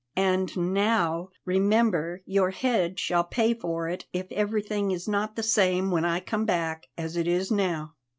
And now, remember, your head shall pay for it if everything is not the same when I come back as it is now."